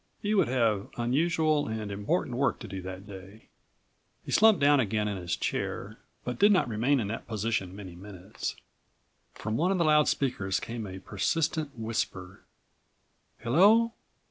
He would have unusual and important work to do that day. He slumped down again in his chair but did not remain in that position many minutes.52 From one of the loud speakers came a persistent whisper: "Hello.